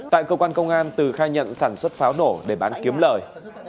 tại cơ quan công an từ khai nhận sản xuất pháo nổ để bán kiếm lời